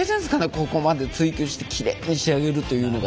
ここまで追求してきれいに仕上げるというのが。